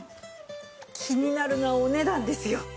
気になるのはお値段ですよ。